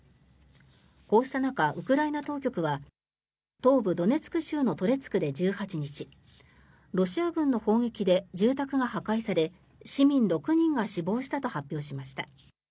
こうした中、ウクライナ当局は東部ドネツク州のトレツクで１８日ロシア軍の砲撃で住宅が破壊され市民６人が死亡したと発表しました。